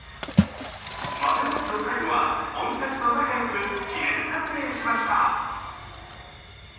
豆まきの最後は鬼たちと仲よく記念撮影しました。